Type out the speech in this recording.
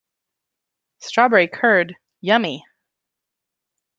Strawberry curd, yummy!